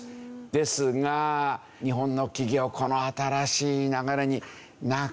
ですが日本の企業この新しい流れになかなか乗れなかった。